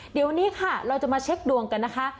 เดี๋ยววันนี้ค่ะเราจะมาเช็คดวงกันนะคะ